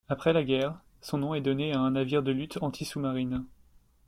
Après la guerre, son nom est donné à un navire de lutte anti sous-marine.